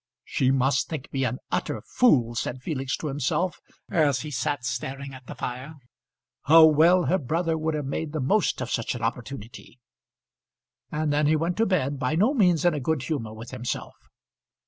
"She must think me an utter fool," said Felix to himself, as he sat staring at the fire. "How well her brother would have made the most of such an opportunity!" And then he went to bed, by no means in a good humour with himself.